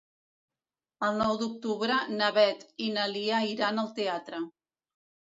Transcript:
El nou d'octubre na Beth i na Lia iran al teatre.